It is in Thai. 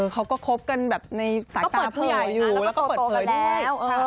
เขาก็คบกันแบบในสายตาผู้ใหญ่อยู่แล้วก็เปิดเผยแล้ว